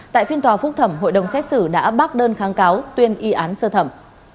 tại phiên tòa phúc thẩm hội đồng xét xử đã bác đơn kháng cáo tuyên y án sơ thẩm